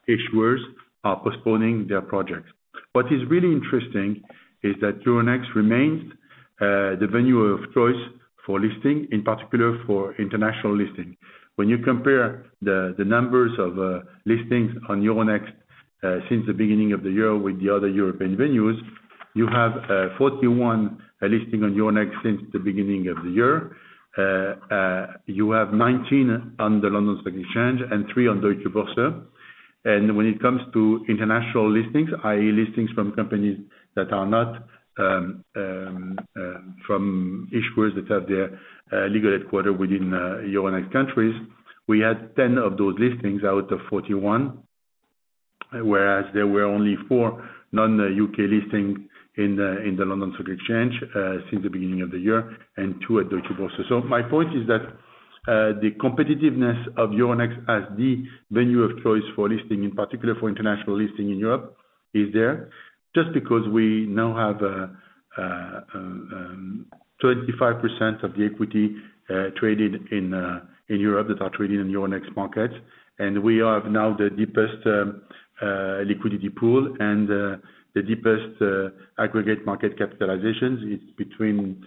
issuers are postponing their projects. What is really interesting is that Euronext remains the venue of choice for listing, in particular for international listing. When you compare the numbers of listings on Euronext since the beginning of the year with the other European venues, you have 41 listing on Euronext since the beginning of the year. You have 19 on the London Stock Exchange and three on Deutsche Börse. When it comes to international listings, i.e., listings from companies that are not from issuers that have their legal headquarters within Euronext countries, we had 10 of those listings out of 41. Whereas there were only four non-U.K. listing in the London Stock Exchange since the beginning of the year and two at Deutsche Börse. My point is that the competitiveness of Euronext as the venue of choice for listing, in particular for international listing in Europe, is there. Just because we now have 25% of the equity traded in Europe that are traded in Euronext markets. We have now the deepest liquidity pool and the deepest aggregate market capitalizations. It's between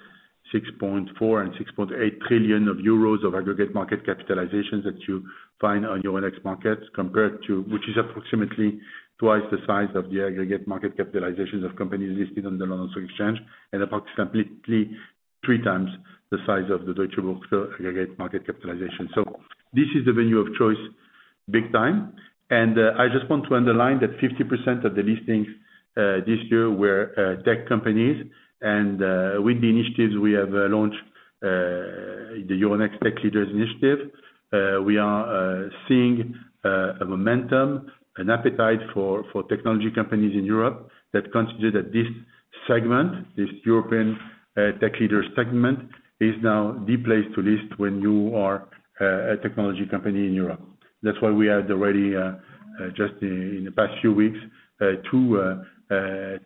6.4 trillion and 6.8 trillion euros of aggregate market capitalizations that you find on Euronext markets compared to, which is approximately twice the size of the aggregate market capitalization of companies listed on the London Stock Exchange, and approximately three times the size of the Deutsche Börse aggregate market capitalization. This is the venue of choice big time. I just want to underline that 50% of the listings this year were tech companies. With the initiatives we have launched, the Euronext Tech Leaders Initiative, we are seeing a momentum, an appetite for technology companies in Europe that consider that this segment, this European tech leader segment, is now the place to list when you are a technology company in Europe. That's why we had already just in the past few weeks, two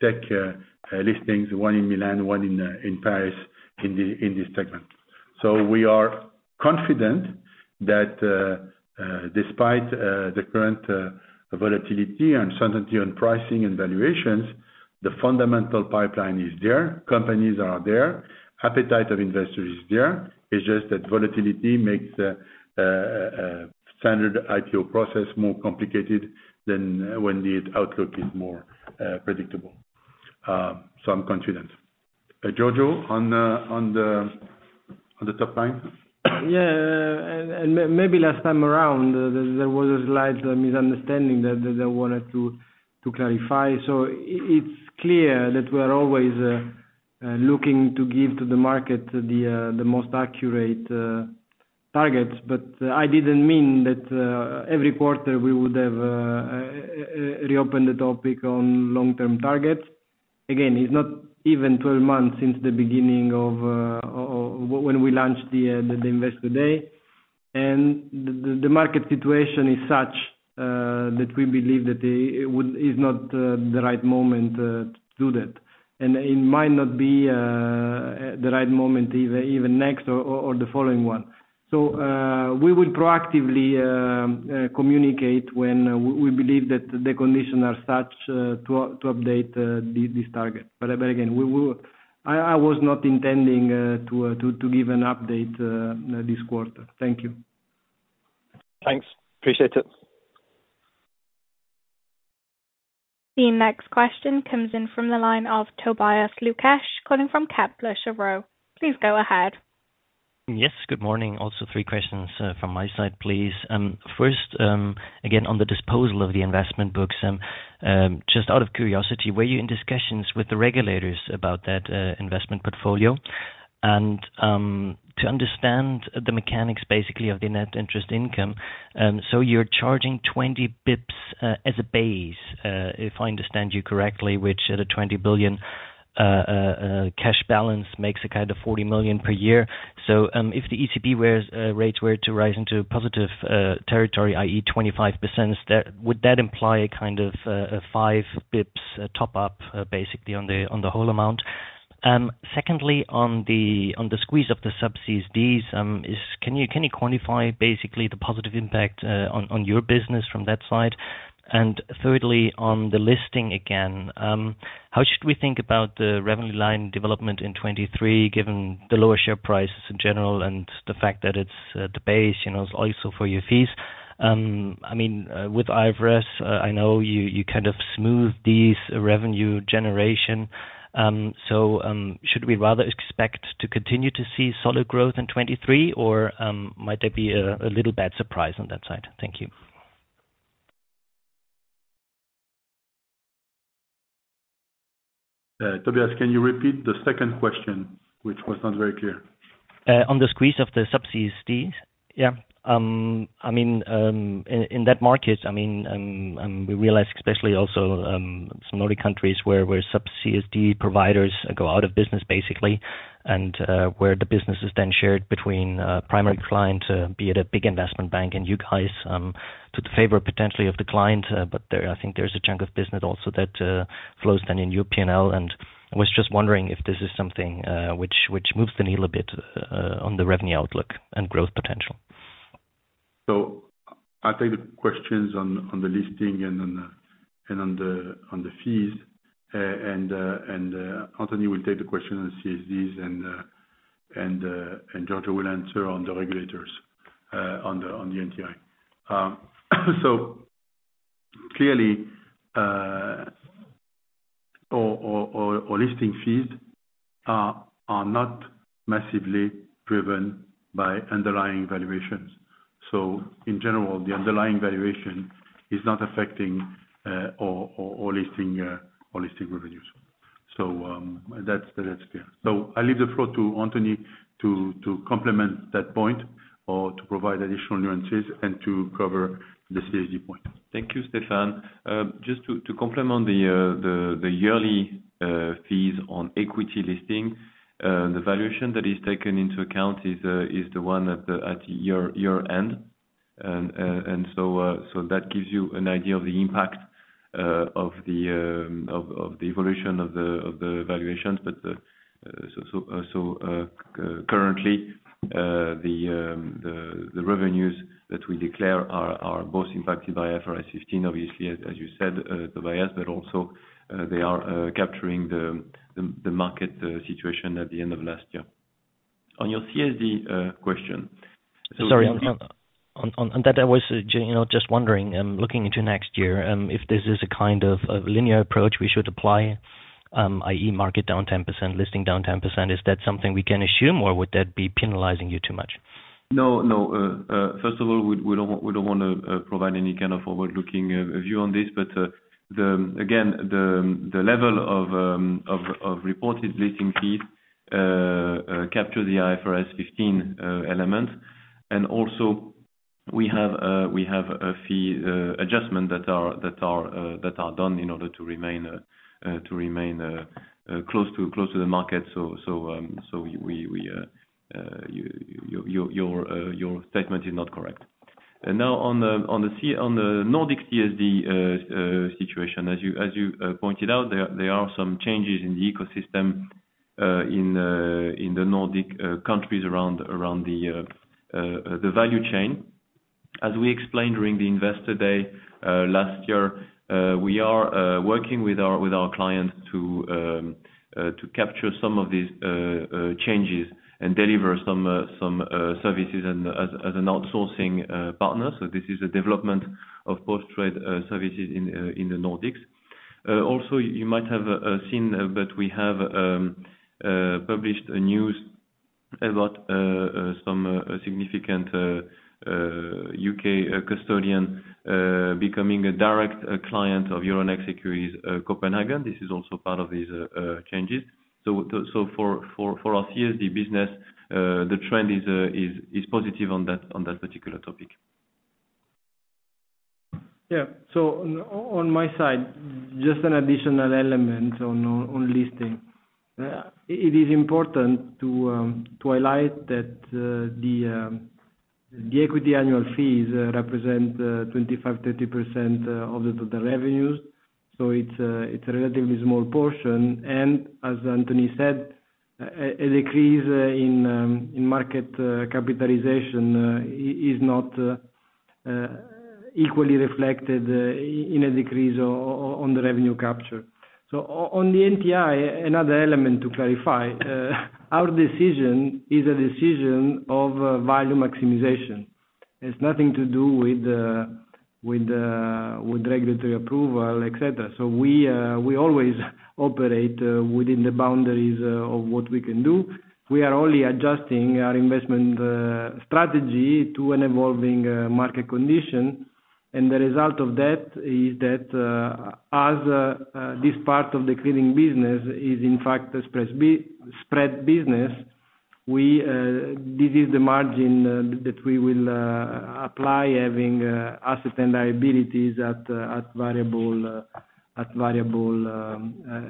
tech listings, one in Milan, one in Paris, in this segment. We are confident that despite the current volatility, uncertainty on pricing and valuations, the fundamental pipeline is there, companies are there, appetite of investors is there. It's just that volatility makes a standard IPO process more complicated than when the outlook is more predictable. I'm confident. Giorgio, on the top line? Maybe last time around there was a slight misunderstanding that I wanted to clarify. It's clear that we are always looking to give to the market the most accurate targets. I didn't mean that every quarter we would have reopen the topic on long-term targets. Again, it's not even 12 months since the beginning of when we launched the Investor Day. The market situation is such that we believe that it is not the right moment to do that. It might not be the right moment even next or the following one. We will proactively communicate when we believe that the conditions are such to update this target. Again, I was not intending to give an update this quarter. Thank you. Thanks. Appreciate it. The next question comes in from the line of Tobias Lukesch, calling from Kepler Cheuvreux. Please go ahead. Yes, good morning. Also three questions from my side, please. First, again, on the disposal of the investment books, just out of curiosity, were you in discussions with the regulators about that investment portfolio? To understand the mechanics basically of the net interest income, so you're charging 20 basis points as a base, if I understand you correctly, which at a 20 billion cash balance makes a kind of 40 million per year. If the ECB rates were to rise into a positive territory, i.e., 25%, would that imply a kind of a 5 basis points top up basically on the whole amount? Secondly, on the squeeze of the sub-CSDs, can you quantify basically the positive impact on your business from that side? Thirdly, on the listing again, how should we think about the revenue line development in 2023, given the lower share prices in general and the fact that it's the base, you know, is also for your fees. I mean, with IFRS, I know you kind of smooth these revenue generation. So, should we rather expect to continue to see solid growth in 2023, or might there be a little bad surprise on that side? Thank you. Tobias, can you repeat the second question, which was not very clear. On the squeeze of the sub-CSDs. I mean, in that market, I mean, we realize especially also some Nordic countries where sub-CSD providers go out of business basically, and where the business is then shared between primary client, be it a big investment bank and you guys, to the favor potentially of the client. There, I think there's a chunk of business also that flows then in your P&L. I was just wondering if this is something which moves the needle a bit on the revenue outlook and growth potential. I'll take the questions on the listing and on the fees. Anthony will take the question on CSDs and Giorgio will answer on the regulators on the NTI. Clearly, listing fees are not massively driven by underlying valuations. In general, the underlying valuation is not affecting listing revenues. That's clear. I leave the floor to Anthony to complement that point or to provide additional nuances and to cover the CSD point. Thank you, Stéphane. Just to complement the yearly fees on equity listing, the valuation that is taken into account is the one at year-end. Currently, the revenues that we declare are both impacted by IFRS 15 obviously, as you said, Tobias, but also, they are capturing the market situation at the end of last year. On your CSD question. Sorry. On that, I was just wondering, looking into next year, if this is a kind of a linear approach we should apply, i.e. market down 10%, listing down 10%. Is that something we can assume, or would that be penalizing you too much? No, first of all, we don't want to provide any kind of forward-looking view on this. Again, the level of reported listing fees capture the IFRS 15 element. Also we have a fee adjustment that are done in order to remain close to the market. Your statement is not correct. Now on the Nordic CSD situation, as you pointed out, there are some changes in the ecosystem in the Nordic countries around the value chain. As we explained during the Investor Day last year, we are working with our clients to capture some of these changes and deliver some services and as an outsourcing partner. This is a development of post-trade services in the Nordics. Also you might have seen, but we have published news about some significant U.K. custodian becoming a direct client of Euronext Securities Copenhagen. This is also part of these changes. For our CSD business, the trend is positive on that particular topic. On my side, just an additional element on listing. It is important to highlight that the equity annual fees represent 25%-30% of the total revenues. It's a relatively small portion. As Anthony said, a decrease in market capitalization is not equally reflected in a decrease on the revenue capture. On the NTI, another element to clarify, our decision is a decision of value maximization. It's nothing to do with the regulatory approval, et cetera. We always operate within the boundaries of what we can do. We are only adjusting our investment strategy to an evolving market condition. The result of that is that as this part of the clearing business is in fact a spread business. This is the margin that we will apply, having assets and liabilities at variable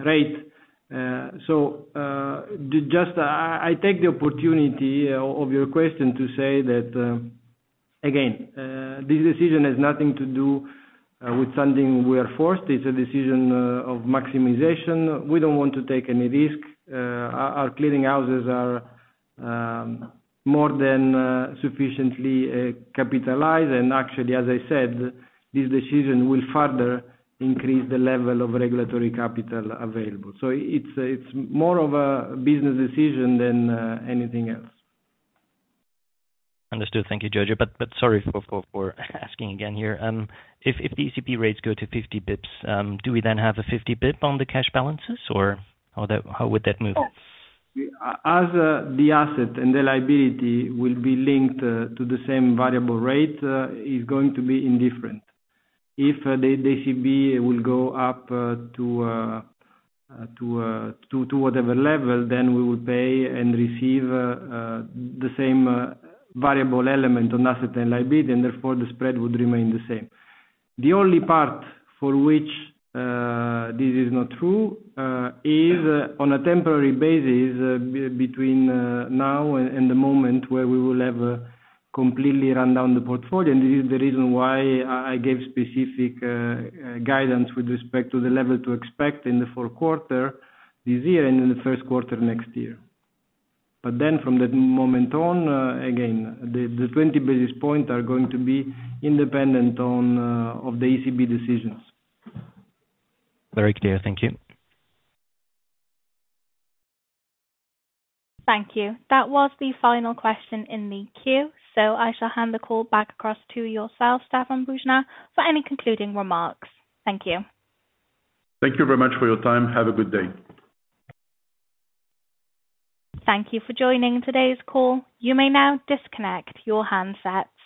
rate. Just I take the opportunity of your question to say that again, this decision has nothing to do with something we are forced. It's a decision of maximization. We don't want to take any risk. Our clearing houses are more than sufficiently capitalized. Actually, as I said, this decision will further increase the level of regulatory capital available. It's more of a business decision than anything else. Understood. Thank you, Giorgio. Sorry for asking again here. If the ECB rates go to 50 basis points, do we then have a 50 basis point on the cash balances or how would that move? As the asset and the liability will be linked to the same variable rate, is going to be indifferent. If the ECB will go up to whatever level, then we will pay and receive the same variable element on asset and liability, and therefore the spread would remain the same. The only part for which this is not true is on a temporary basis between now and the moment where we will have completely run down the portfolio. This is the reason why I gave specific guidance with respect to the level to expect in the fourth quarter this year and in the first quarter next year. From that moment on, again, the 20 basis points are going to be independent of the ECB decisions. Very clear. Thank you. Thank you. That was the final question in the queue. I shall hand the call back across to yourself, Stéphane Boujnah, for any concluding remarks. Thank you. Thank you very much for your time. Have a good day. Thank you for joining today's call. You may now disconnect your handsets.